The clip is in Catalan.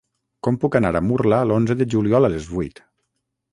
Com puc anar a Murla l'onze de juliol a les vuit?